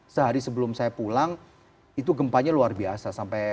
sehari sebelum saya pulang itu gempanya luar biasa